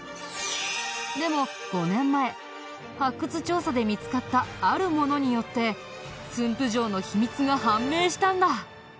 でも５年前発掘調査で見つかったあるものによって駿府城の秘密が判明したんだ！